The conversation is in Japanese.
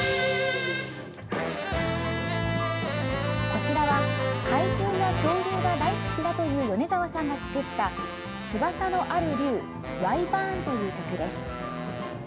こちらは怪獣や恐竜が大好きだという米澤さんが作った、翼のある竜「ワイバーン」という曲です。